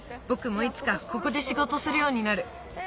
ぼくもいつかここでしごとするようになる。